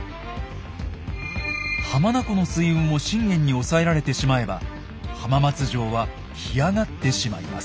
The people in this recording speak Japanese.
浜名湖の水運を信玄に押さえられてしまえば浜松城は干上がってしまいます。